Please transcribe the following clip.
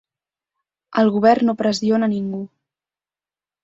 El govern no pressiona ningú